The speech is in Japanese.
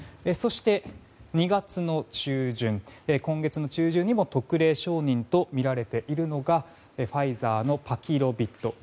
そして、２月の中旬今月の中旬にも特例承認とみられているのがファイザーのパキロビッド。